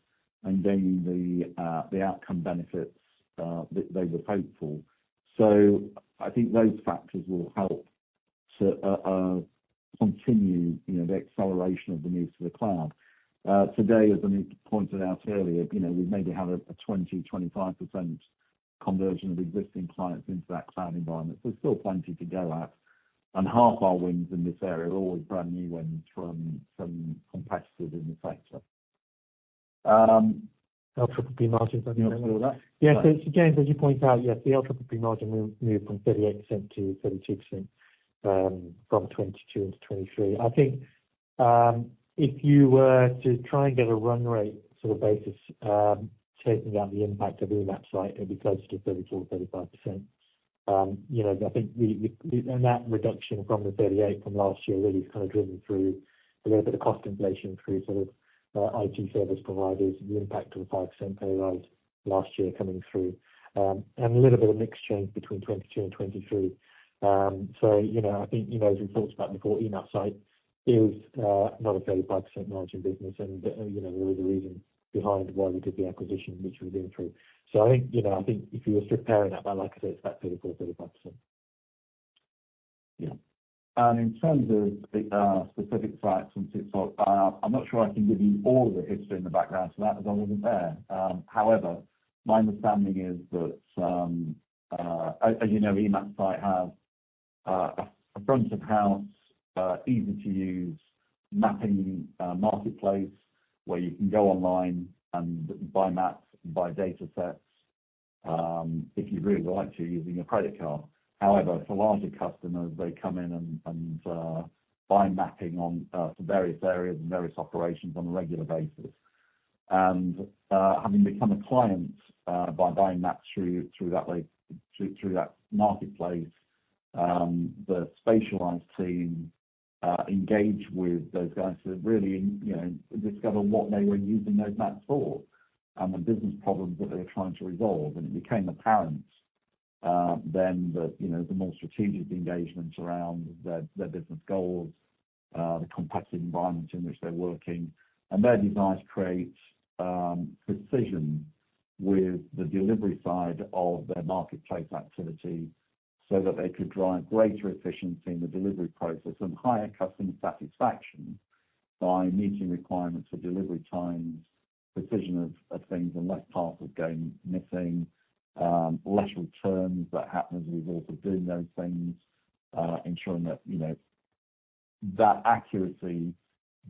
and gaining the outcome benefits that they were hoped for. So I think those factors will help to continue, you know, the acceleration of the move to the cloud. Today, as I pointed out earlier, you know, we maybe have a 20%-25% conversion of existing clients into that cloud environment. So still plenty to go at, and half our wins in this area are always brand new wins from competitors in the sector. LPPP margins. Sorry, what was that? Yes, James, as you point out, yes, the LPPP margin moved from 38% to 32%, from 2022 into 2023. I think, if you were to try and get a run rate sort of basis, taking out the impact of Emapsite, it'd be closer to 34%-35%. You know, I think we. And that reduction from the 38% from last year really is kind of driven through a little bit of cost inflation through sort of, IT service providers, the impact of a 5% pay rise last year coming through, and a little bit of mix change between 2022 and 2023. So you know, I think, you know, as we've talked about before, Emapsite is not a 35% margin business. You know, there was a reason behind why we did the acquisition, which we did through. I think, you know, I think if you were preparing that, like I said, it's about 34-35%. Yeah. And in terms of the, specific sites and so on, I'm not sure I can give you all the history in the background to that, because I wasn't there. However, my understanding is that some. As you know, Emapsite have, a front of house, easy-to-use mapping, marketplace, where you can go online and buy maps and buy data sets, if you really like to, using a credit card. However, for larger customers, they come in and buy mapping on, for various areas and various operations on a regular basis. Having become a client by buying maps through that marketplace, the specialized team engage with those guys to really, you know, discover what they were using those maps for and the business problems that they were trying to resolve. It became apparent then that, you know, the more strategic engagements around their business goals, the competitive environment in which they're working, and their desire to create precision with the delivery side of their marketplace activity, so that they could drive greater efficiency in the delivery process and higher customer satisfaction by meeting requirements for delivery times, precision of things, and less parts of going missing, additional terms that happen as a result of doing those things. Ensuring that, you know, that accuracy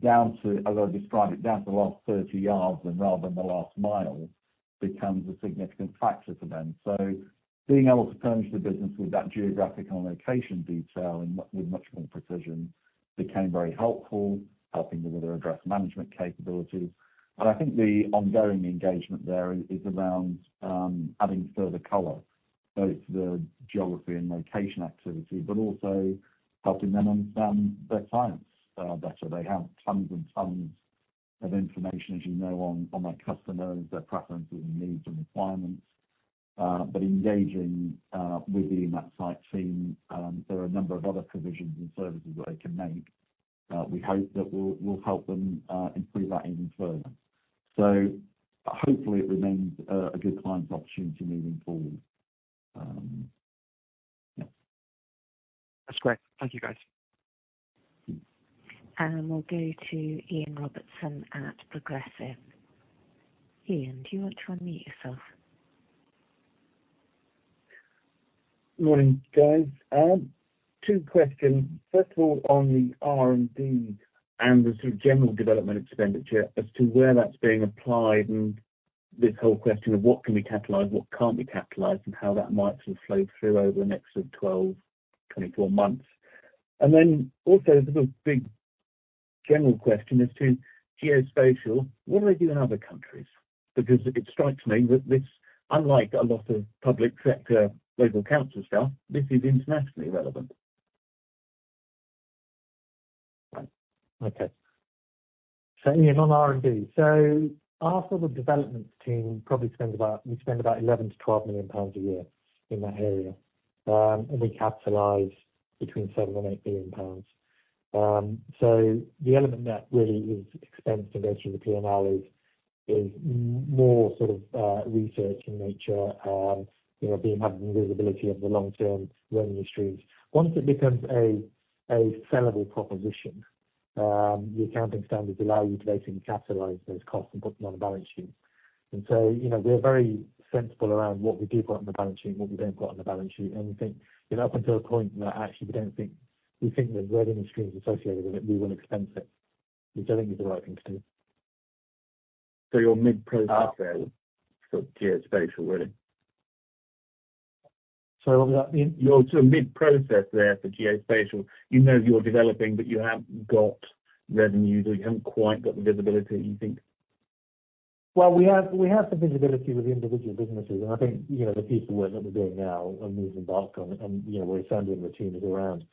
down to, as I describe it, down to the last 30 yards and rather than the last mile, becomes a significant factor for them. So being able to furnish the business with that geographic and location detail and with much more precision, became very helpful, helping them with their address management capabilities. And I think the ongoing engagement there is around, adding further color, both the geography and location activity, but also helping them understand their clients, better. They have tons and tons of information, as you know, on their customers, their preferences, and needs and requirements. But engaging, with the Emapsite team, there are a number of other provisions and services that they can make, we hope that we'll help them, improve that even further. So hopefully, it remains a good client opportunity moving forward. Yeah. That's great. Thank you, guys. We'll go to Ian Robertson at Progressive. Ian, do you want to unmute yourself? Morning, guys. Two questions. First of all, on the R&D and the sort of general development expenditure as to where that's being applied, and this whole question of what can be capitalized, what can't be capitalized, and how that might sort of flow through over the next sort of 12, 24 months. And then also the big general question as to geospatial: What do they do in other countries? Because it strikes me that this, unlike a lot of public sector, local council stuff, this is internationally relevant. Right. Okay. So Ian, on R&D. So our sort of development team probably we spend about 11 million-12 million pounds a year in that area, and we capitalize between 7 million-8 million pounds. So the element that really is expense and goes through the P&L is more sort of research in nature, you know, being, having visibility of the long term revenue streams. Once it becomes a sellable proposition, the accounting standards allow you to then capitalize those costs and put them on the balance sheet. And so, you know, we're very sensible around what we do put on the balance sheet and what we don't put on the balance sheet. We think, you know, up until a point that actually we don't think, we think the revenue streams associated with it, we will expense it, which I think is the right thing to do. So you're mid-process there for geospatial, really? So you're sort of mid-process there for geospatial. You know, you're developing, but you haven't got revenue, so you haven't quite got the visibility you think? Well, we have, we have the visibility with the individual businesses, and I think, you know, the piece of work that we're doing now and moving back on and, you know, where Sandy and the team is around,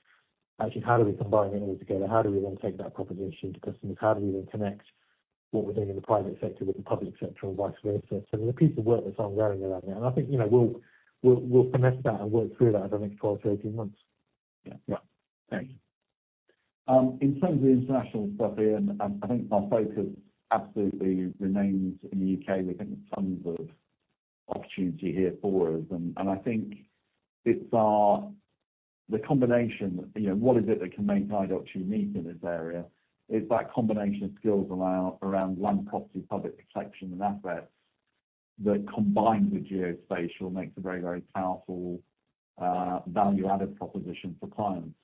actually, how do we combine it all together? How do we then take that proposition to customers? How do we then connect what we're doing in the private sector with the public sector and vice versa? So there's a piece of work that's ongoing around there, and I think, you know, we'll, we'll, we'll finesse that and work through that over the next 12 to 18 months. Yeah. Right. Thanks. In terms of the international stuff, Ian, I think our focus absolutely remains in the U.K. We're getting tons of opportunity here for us, and, and I think it's the combination, you know, what is it that can make Idox unique in this area? It's that combination of skills around, around land, property, public protection and assets, that combined with geospatial, makes a very, very powerful value-added proposition for clients.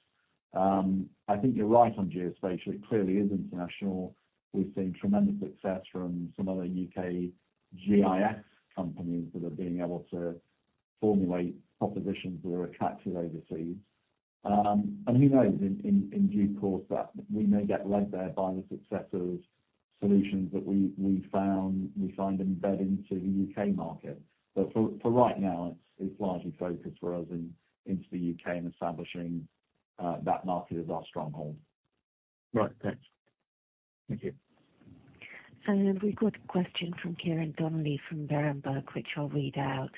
I think you're right on geospatial. It clearly is international. We've seen tremendous success from some other U.K. GIS companies that are being able to formulate propositions that are attractive overseas. And who knows, in due course, that we may get led there by the success of solutions that we, we found, we find embedding to the U.K. market. But for right now, it's largely focused for us into the U.K. and establishing that market as our stronghold. Right. Thanks. Thank you. We've got a question from Ciarán Donnelly from Berenberg, which I'll read out.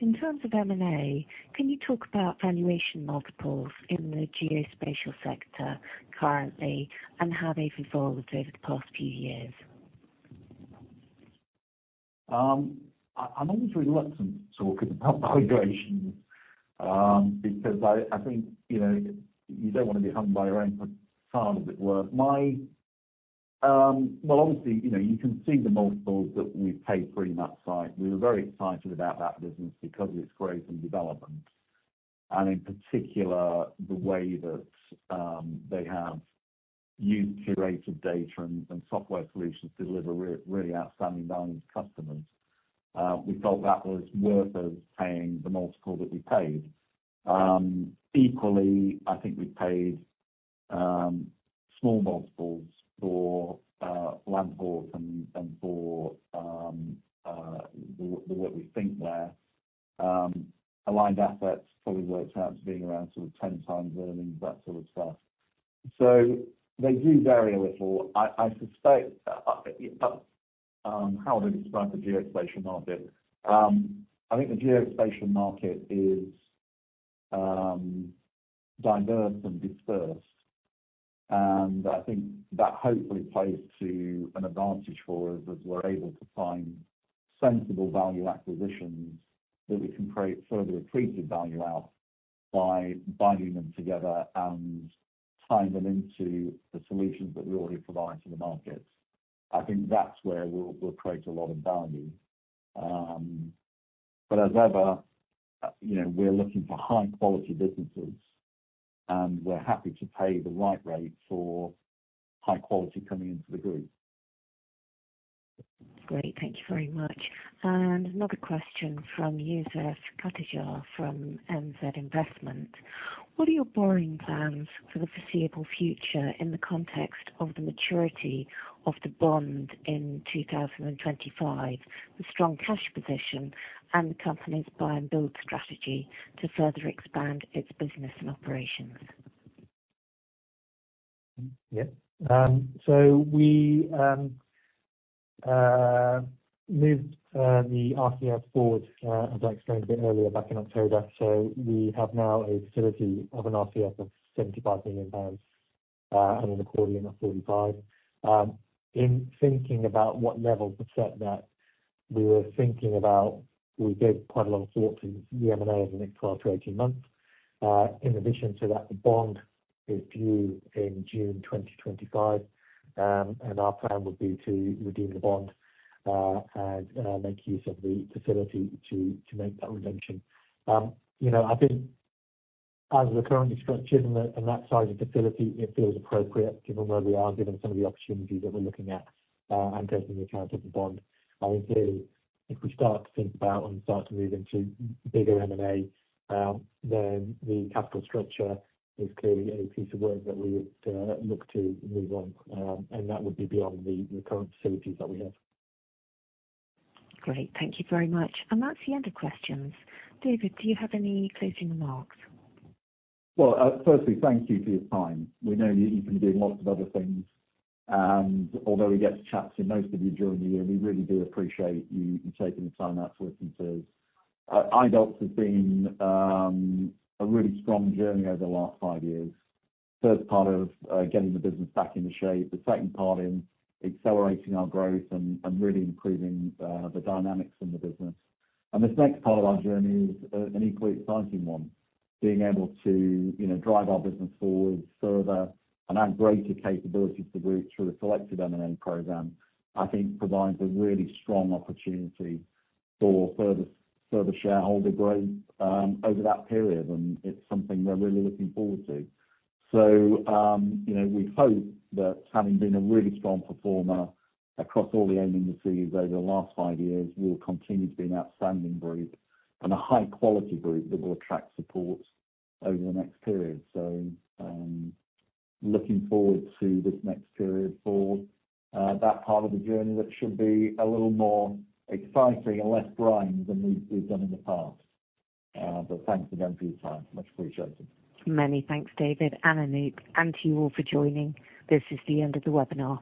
In terms of M&A, can you talk about valuation multiples in the geospatial sector currently and how they've evolved over the past few years? I'm always reluctant to talk about valuations because I think, you know, you don't want to be hung by your own sword, if it were. Well, obviously, you know, you can see the multiples that we've paid for Emapsite. We were very excited about that business because of its growth and development, and in particular, the way that they have used curated data and software solutions to deliver really outstanding value to customers. We felt that was worth us paying the multiple that we paid. Equally, I think we paid small multiples for LandHawk and for what we think there. Aligned Assets probably works out to being around sort of 10x earnings, that sort of stuff. So they do vary a little. I suspect how would I describe the geospatial market? I think the geospatial market is diverse and dispersed, and I think that hopefully plays to an advantage for us, as we're able to find sensible value acquisitions that we can create further accreted value out by binding them together and tying them into the solutions that we already provide to the market. I think that's where we'll create a lot of value. But as ever, you know, we're looking for high-quality businesses, and we're happy to pay the right rate for high quality coming into the group. Great. Thank you very much. Another question from Josef Cutajar from Allianz Investors. What are your borrowing plans for the foreseeable future in the context of the maturity of the bond in 2025, the strong cash position, and the company's buy and build strategy to further expand its business and operations? Yeah. So we moved the RCF forward, as I explained a bit earlier, back in October. So we have now a facility of an RCF of 75 million pounds, and an accordion of 45. In thinking about what level to set that, we were thinking about, we gave quite a lot of thought to the M&A over the next 12-18 months. In addition to that, the bond is due in June 2025, and our plan would be to redeem the bond, and make use of the facility to make that redemption. You know, I think as we're currently structured and that, and that size of facility, it feels appropriate given where we are, given some of the opportunities that we're looking at, and taking into account of the bond. I think clearly, if we start to think about and start to move into bigger M&A, then the capital structure is clearly a piece of work that we would look to move on, and that would be beyond the current facilities that we have. Great. Thank you very much. And that's the end of questions. David, do you have any closing remarks? Well, firstly, thank you for your time. We know you've been doing lots of other things, and although we get to chat to most of you during the year, we really do appreciate you taking the time out to listen to us. Idox has been a really strong journey over the last five years. First part of getting the business back into shape, the second part in accelerating our growth and really improving the dynamics in the business. This next part of our journey is an equally exciting one. Being able to, you know, drive our business forward further and add greater capability to the group through a selective M&A program, I think provides a really strong opportunity for further shareholder growth over that period, and it's something we're really looking forward to. You know, we hope that having been a really strong performer across all the end industries over the last five years, we will continue to be an outstanding group and a high-quality group that will attract support over the next period. So, looking forward to this next period forward, that part of the journey that should be a little more exciting and less grind than we've done in the past. But thanks again for your time. Much appreciated. Many thanks, David and Anoop, and to you all for joining. This is the end of the webinar.